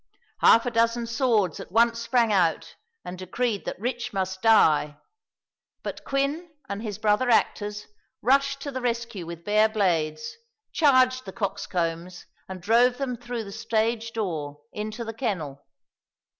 Half a dozen swords at once sprang out and decreed that Rich must die; but Quin and his brother actors rushed to the rescue with bare blades, charged the coxcombs, and drove them through the stage door into the kennel.